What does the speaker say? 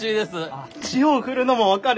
あっ塩を振るのも分かる！